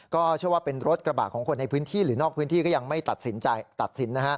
ก็เชื่อว่าเป็นรถกระบะของคนในพื้นที่หรือนอกพื้นที่ก็ยังไม่ตัดสิน